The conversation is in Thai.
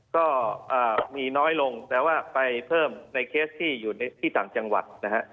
ก็มีน้อยลงแต่ว่าไปเพิ่มในเคสที่อยู่ที่ต่างจังหวัดนะฮะ